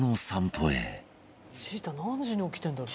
「ちーたん何時に起きてるんだろう？」